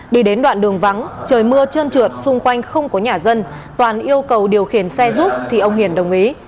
đi đến đoạn đường vắng trời mưa trơn trượt xung quanh không có nhà dân toàn yêu cầu điều khiển xe giúp thì ông hiền đồng ý